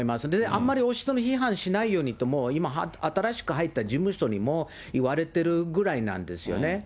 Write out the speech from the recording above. あんまり王室の批判しないようにって、新しく入った事務所にも言われてるぐらいなんですよね。